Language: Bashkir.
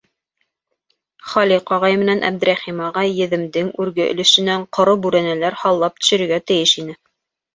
Халиҡ ағай менән Әбдрәхим ағай Еҙемдең үрге өлөшөнән ҡоро бүрәнәләр һаллап төшөрөргә тейеш ине.